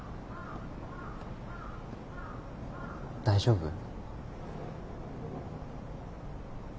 大丈夫？